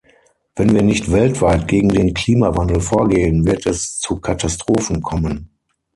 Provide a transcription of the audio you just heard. Wenn wir nicht weltweit gegen den Klimawandel vorgehen, wird es zu Katastrophen kommen.